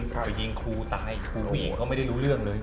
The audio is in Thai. ไปยิงครูตายครูผู้หญิงก็ไม่ได้รู้เรื่องเลย